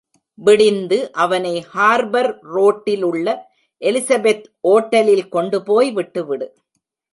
விடிந்து அவனை ஹார்பர் ரோடில் உள்ள எலிசபெத் ஓட்டலில் கொண்டு போய் விட்டு விடு.